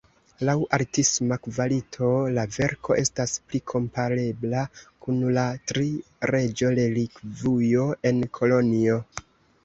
Laŭ artisma kvalito la verko estas pli komparebla kun la Tri-Reĝo-Relikvujo en Kolonjo.